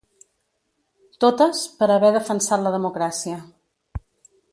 Totes, per haver defensat la democràcia.